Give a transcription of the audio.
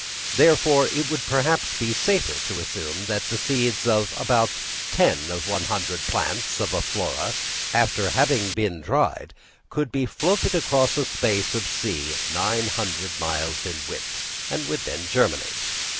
Therefore, it would perhaps be safer to assume that the seeds of about 10/100 plants of a flora, after having been dried, could be floated across a space of sea 900 miles in width, and would then germinate.